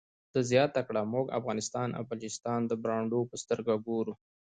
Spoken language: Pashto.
ده زیاته کړه موږ افغانستان او بلوچستان د برنډو په سترګه ګورو.